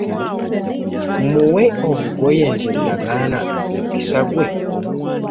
Muwe olugoye nze nnaagaana omukisa gwe?